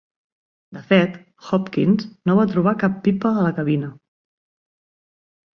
De fet, Hopkins no va trobar cap pipa a la cabina.